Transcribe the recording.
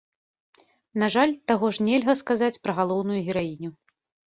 На жаль, таго ж нельга сказаць пра галоўную гераіню.